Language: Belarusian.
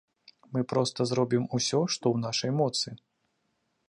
Мы проста зробім усё, што ў нашай моцы.